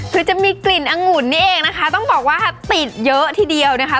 คือจะมีกลิ่นองุ่นนี่เองนะคะต้องบอกว่าติดเยอะทีเดียวนะคะ